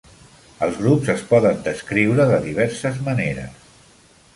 El grups es poden descriure de diverses maneres.